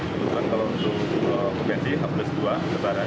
kebetulan kalau untuk okupansi h dua lebaran